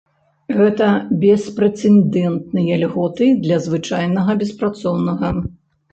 Гэта беспрэцэдэнтныя льготы для звычайнага беспрацоўнага.